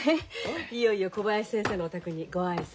いよいよ小林先生のお宅にご挨拶。